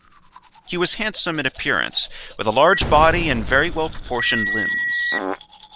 He was handsome in appearance, with a large body and very well-proportioned limbs.